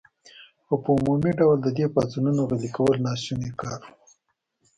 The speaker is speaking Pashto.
خو په عمومي ډول د دې پاڅونونو غلي کول ناشوني کار و.